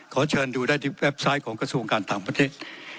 ขอเชิญดูได้ที่เว็บไซต์ของกระทรวงการต่างประเทศ